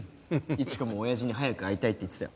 イチ子も親父に早く会いたいって言ってたよ。